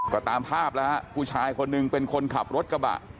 ก็ตามภาพผู้ชายคนนึงเป็นคนขับรถกระบะ